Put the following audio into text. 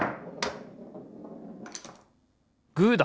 グーだ！